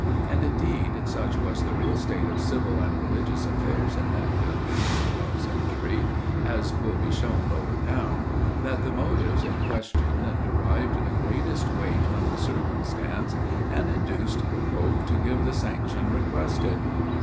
And, indeed, such was the real state of civil and religious affairs in that country in the 12th century, as will be shown lower down, that the motives in question, derived the greatest weight from the circumstance, and induced the pope to give the sanction requested.